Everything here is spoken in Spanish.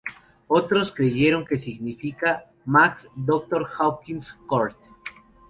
Otros creyeron que significa: Max, Dr. Hawkins, Kurt.